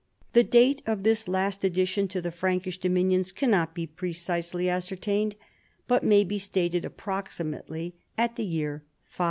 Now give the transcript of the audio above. The date of this INTRODUCTION. H last addition to the Frankisli dominions cannot be precisely ascertained, but may be stated approxi mately at the year 535.